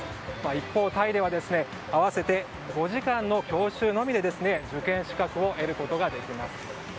一方、タイでは合わせて５時間の教習のみで受験資格を得ることができます。